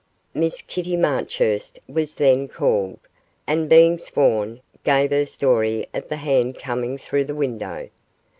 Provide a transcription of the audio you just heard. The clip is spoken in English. Miss Kitty Marchurst was then called, and being sworn, gave her story of the hand coming through the window.